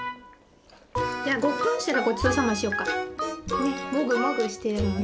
じゃごっくんしたらごちそうさましようか。ねもぐもぐしてるもんね。